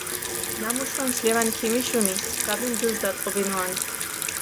ნამუ შვანს ლევანი ქიმიშუნი, ძღაბი ნდის დატყობინუანდუ.